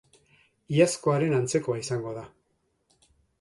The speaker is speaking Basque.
Iazkoaren antzekoa izango da.